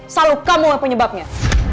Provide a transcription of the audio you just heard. selalu kamu penyebabnya